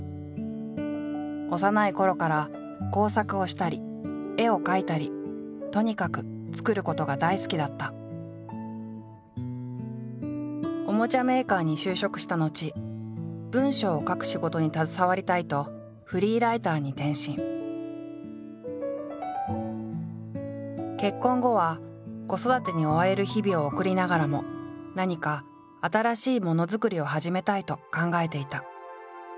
幼いころから工作をしたり絵を描いたりとにかくおもちゃメーカーに就職した後文章を書く仕事に携わりたいと結婚後は子育てに追われる日々を送りながらも何か新しいモノづくりを始めたいと考えていた。